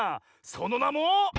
そのなも。